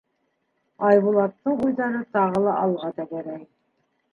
Айбулаттың уйҙары тағы ла алға тәгәрәй.